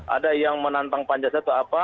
ada yang menantang pancasila atau apa